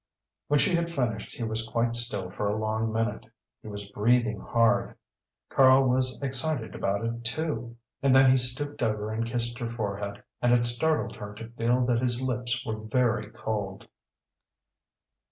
When she had finished he was quite still for a long minute. He was breathing hard; Karl was excited about it too! And then he stooped over and kissed her forehead, and it startled her to feel that his lips were very cold.